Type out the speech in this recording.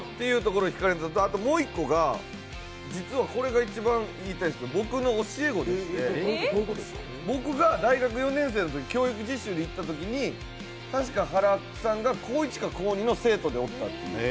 あと、もう１個が実はこれが一番言いたいんですけど僕の教え子でして僕が大学４年生のときに教育実習生で行ったときに確かＨＡＲＡさんが高１か高２の生徒でおった。